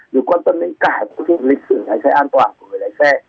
được quan tâm đến cả lịch sử lái xe an toàn của người lái xe